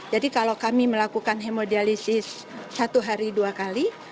jadi kalau kami melakukan hemodialisis satu hari dua kali